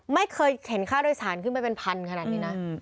ไม่เคยเห็นค่าโดยสารขึ้นไปเป็นพันขนาดนี้นะ